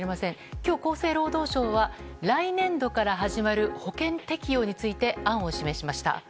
今日、厚生労働省は来年度から始まる保険適用について案を示しました。